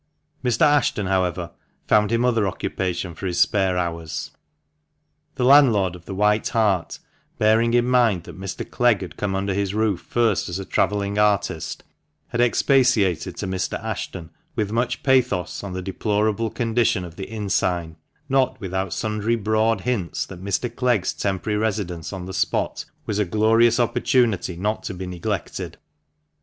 THE MANCHESTER MAN. 329 Mr. Ashton, however, found him other occupation for his spare hours. The landlord of the "White Hart," bearing in mind that Mr. Clegg had come under his roof first as a travelling artist, had expatiated to Mr. Ashton with much pathos on the deplorable condition of the inn sign, not without sundry broad hints that Mr. Clegg's temporary residence on the spot was a glorious opportunity not to be neglected.